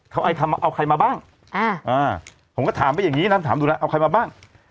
เขาเอาใครมาบ้างผมก็ถามไปอย่างนี้นะถามดูนะเอาใครมาบ้าง